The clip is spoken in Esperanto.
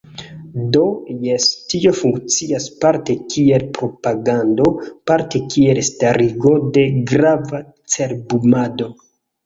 Do jes, tio funkcias parte kiel propagando, parte kiel starigo de grava cerbumado.